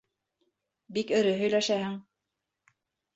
Бик эре һөйләшәһең.